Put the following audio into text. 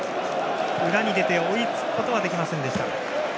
裏に出て追いつくことはできませんでした。